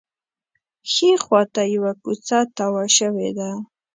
ښي خوا ته یوه کوڅه تاوه شوې ده.